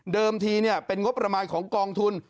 เดิมทีเนี่ยเป็นงบประมาณของกองทุน